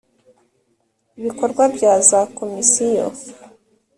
ibikorwa bya za komisiyo